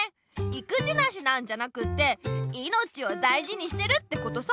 いくじなしなんじゃなくて命をだいじにしてるってことさ。